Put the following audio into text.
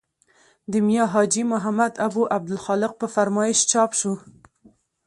د میا حاجي محمد او عبدالخالق په فرمایش چاپ شو.